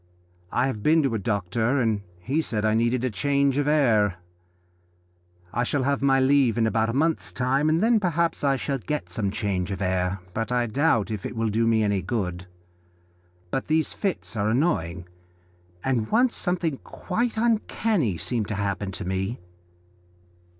I have been to a doctor, and he said I needed change of air. I shall have my leave in about a month's time, and then perhaps I shall get some change of air, but I doubt if it will do me any good. But these fits are annoying, and once something quite uncanny seemed to happen to me."